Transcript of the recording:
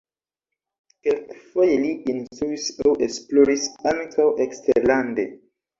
Kelkfoje li instruis aŭ esploris ankaŭ eksterlande.